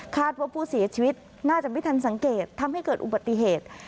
ว่าผู้เสียชีวิตน่าจะไม่ทันสังเกตทำให้เกิดอุบัติเหตุ